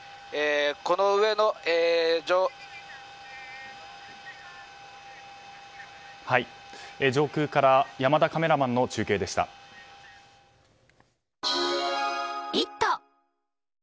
上空から山田カメラマンの中継でした。